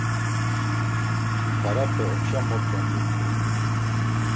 Suparape opşa motzondurt̆u.